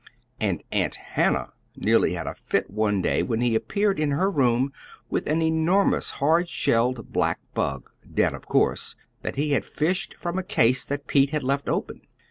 And Aunt Hannah nearly had a fit one day when he appeared in her room with an enormous hard shelled black bug dead, of course that he had fished from a case that Pete had left open.